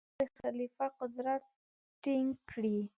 او بېرته د خلیفه قدرت ټینګ کړي.